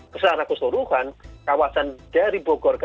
secara keseluruhan kawasan dari bogor ke